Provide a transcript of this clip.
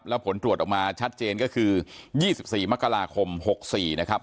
แล้วผลตรวจออกมาชัดเจนก็คือยี่สิบสี่มกราคมหกสี่นะครับ